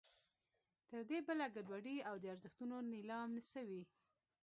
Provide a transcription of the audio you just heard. تر دې بله ګډوډي او د ارزښتونو نېلام څه وي.